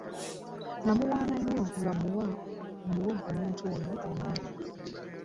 Nakawana nnyo nga muwa omuntu oyo omulimu